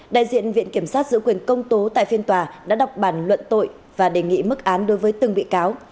đại diện viện kiểm sát giữ quyền công tố tại phiên tòa đã đọc bản luận tội và đề nghị mức án đối với từng bị cáo